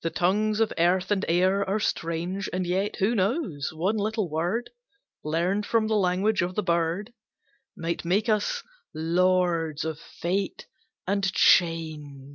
The tongues of earth and air are strange. And yet (who knows?) one little word Learned from the language of the bird Might make us lords of Fate and Change!